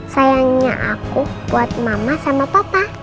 sayangnya aku buat mama sama papa